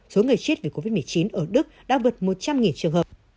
số người chết vì covid một mươi chín ở đức đã vượt một trăm linh trường hợp